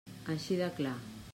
Així de clar.